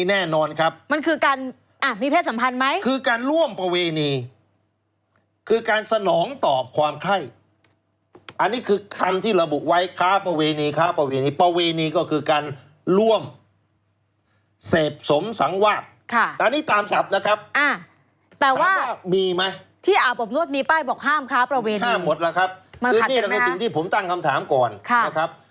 ห้ามหมดหรอครับคือนี่คือสิ่งที่ผมตั้งคำถามก่อนนะครับมันหัดจริงไหมครับ